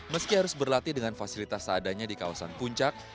meski harus berlatih dengan fasilitas seadanya di kawasan puncak